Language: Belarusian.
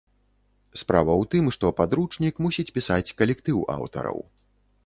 Справа у тым, што падручнік мусіць пісаць калектыў аўтараў.